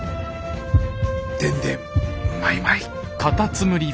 でんでんマイマイ。